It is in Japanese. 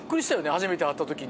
初めて会った時に。